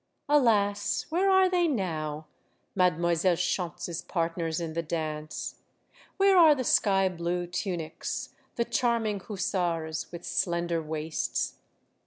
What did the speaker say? Alas ! where are they now, — Mademoiselle Schontz's partners in the dance? Where are the sky blue tunics, the charming hussars, with slender waists?